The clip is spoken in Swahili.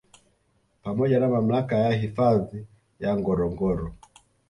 Pamoja na Mamlaka ya Hifadhi ya Ngorongoro